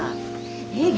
え